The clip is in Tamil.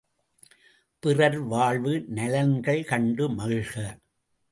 பிறர் வாழ்வு நலன்கள் கண்டு மகிழ்க!